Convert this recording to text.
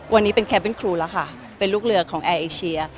วันนี้เป็นแคมเป็นครูแล้วค่ะเป็นลูกเรือของแอร์เอเชีย